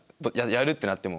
やるってなっても。